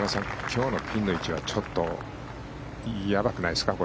今日のピンの位置はちょっと、やばくないですか？